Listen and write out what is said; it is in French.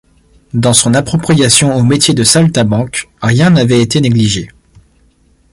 Dans son appropriation au métier de saltimbanque, rien n’avait été négligé.